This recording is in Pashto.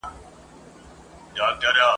ښکلي خدای پیدا کړمه نصیب یې راکی ښکلی !.